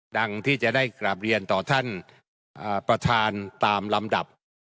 ดังที่จะได้กราบเรียนต่อท่านประธานตามลำดับ